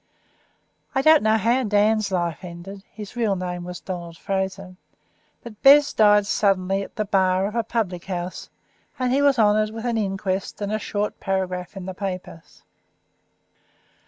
I don't know how Dan's life ended (his real name was Donald Fraser), but Bez died suddenly in the bar of a public house, and he was honoured with an inquest and a short paragraph in the papers.